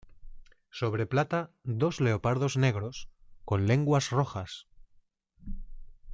Sobre plata dos leopardos negros con lenguas rojas.